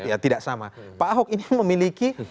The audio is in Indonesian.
ya tidak sama pak ahok ini memiliki